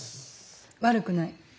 悪くない。